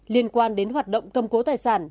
liên quan đến hoạt động cầm cố tài sản